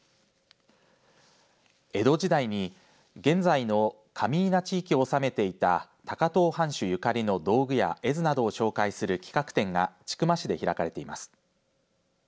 江戸時代に現在の上伊那地域を治めていた高遠藩主ゆかりの道具や絵図などを紹介する企画展が千曲市で開かれています。